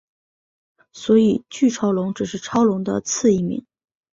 所以巨超龙只是超龙的次异名。